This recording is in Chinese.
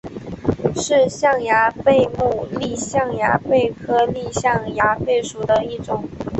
是象牙贝目丽象牙贝科丽象牙贝属的一种。